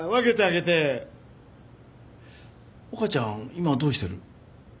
今はどうしてる？